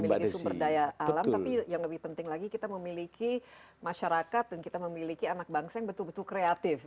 memiliki sumber daya alam tapi yang lebih penting lagi kita memiliki masyarakat dan kita memiliki anak bangsa yang betul betul kreatif